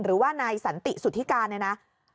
หรือว่านายสันติสุธิการเนี่ยนะ